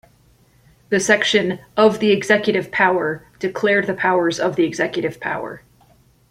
The section "Of the Executive Power" declared the powers of the executive power.